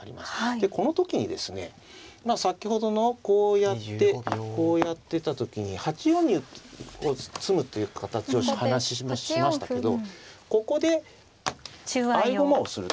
でこの時にですね先ほどのこうやってこうやってた時に８四に詰むという形を話しましたけどここで合駒をすると。